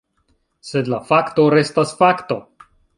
Sed la fakto restas fakto.